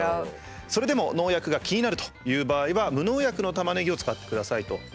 それでも農薬が気になるという場合は無農薬のタマネギを使ってくださいと。